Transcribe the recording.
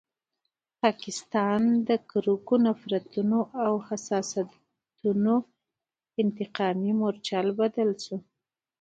پاکستان د کرکو، نفرتونو او حسادتونو انتقامي مورچل بدل شو.